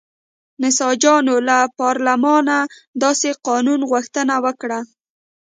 نساجانو له پارلمانه داسې قانون غوښتنه وکړه.